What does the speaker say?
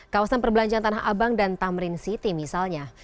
kawasan perbelanjaan tanah abang dan tamrin city misalnya